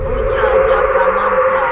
ujah jawa mantra